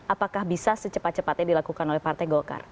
apakah bisa secepat cepatnya dilakukan oleh partai golkar